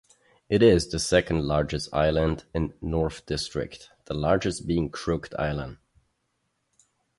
It is the second largest island in North District, the largest being Crooked Island.